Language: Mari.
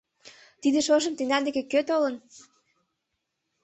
Тиде шошым тендан деке кӧ толын?